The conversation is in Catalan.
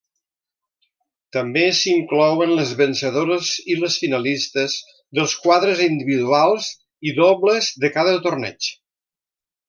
També s'inclouen les vencedores i les finalistes dels quadres individuals i dobles de cada torneig.